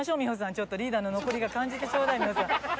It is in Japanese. ちょっとリーダーの残り香感じてちょうだい美穂さん。